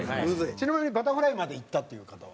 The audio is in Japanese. ちなみにバタフライまでいったっていう方は。